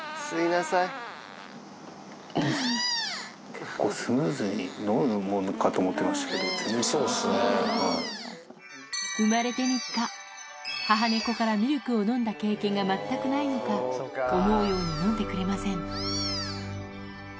結構、スムーズに飲むもんかと思ってましたけど、生まれて３日、母猫からミルクを飲んだ経験が全くないのか、思うように飲んでくれません。